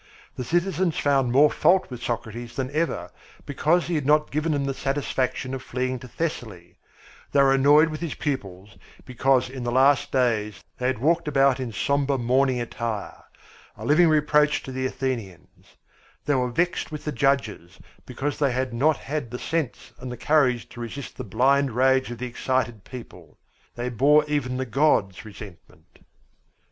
The citizens found more fault with Socrates than ever because he had not given them the satisfaction of fleeing to Thessaly; they were annoyed with his pupils because in the last days they had walked about in sombre mourning attire, a living reproach to the Athenians; they were vexed with the judges because they had not had the sense and the courage to resist the blind rage of the excited people; they bore even the gods resentment.